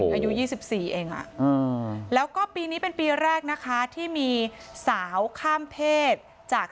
อายุ๒๔เองแล้วก็ปีนี้เป็นปีแรกนะคะที่มีสาวข้ามเพศจาก